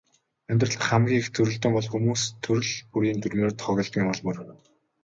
Амьдрал дахь хамгийн их зөрөлдөөн бол хүмүүс төрөл бүрийн дүрмээр тоглодгийн ул мөр.